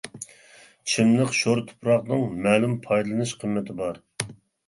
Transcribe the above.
چىملىق شور تۇپراقنىڭ مەلۇم پايدىلىنىش قىممىتى بار.